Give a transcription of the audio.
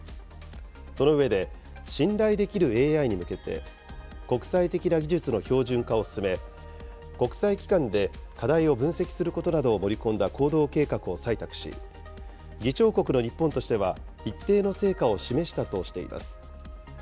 その上で、信頼できるＡＩに向けて、国際的な技術の標準化を進め、国際機関で課題を分析することなどを盛り込んだ行動計画を採択し、議長国の日本としては一定の成果を示したとしています。